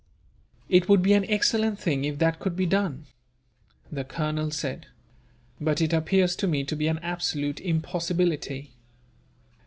"It would be an excellent thing, if that could be done," the colonel said; "but it appears to me to be an absolute impossibility."